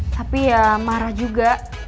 tapi ya marah juga